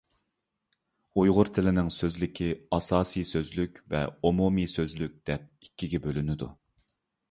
ئۇيغۇر تىلىنىڭ سۆزلۈكى ئاساسىي سۆزلۈك ۋە ئومۇمىي سۆزلۈك دەپ ئىككىگە بۆلۈنىدۇ.